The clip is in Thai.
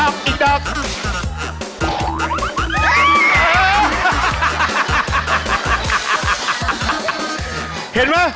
เฝอร์โทร